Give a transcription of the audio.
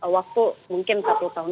waktu mungkin satu tahun